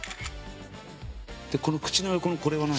口の横のこれは何？